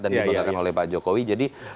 dan dibantahkan oleh pak jokowi jadi